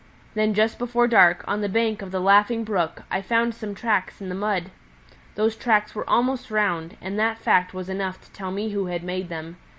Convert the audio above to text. Then just before dark, on the bank of the Laughing Brook, I found some tracks in the mud. Those tracks were almost round, and that fact was enough to tell me who had made them.